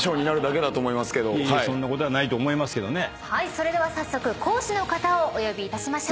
それでは早速講師の方をお呼びいたしましょう。